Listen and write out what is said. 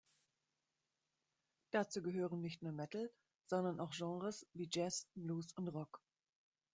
Dazu gehören nicht nur Metal, sondern auch Genres wie Jazz, Blues und Rock.